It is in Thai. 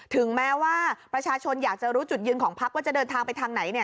ถึงแม้ว่าประชาชนอยากจะรู้จุดยืนของพักว่าจะเดินทางไปทางไหนเนี่ย